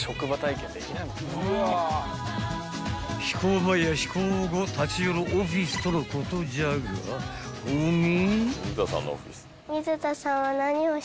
［飛行前や飛行後立ち寄るオフィスとのことじゃがほげ？］